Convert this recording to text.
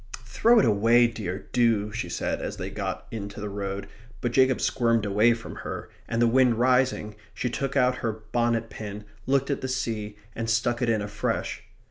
"Throw it away, dear, do," she said, as they got into the road; but Jacob squirmed away from her; and the wind rising, she took out her bonnet pin, looked at the sea, and stuck it in afresh.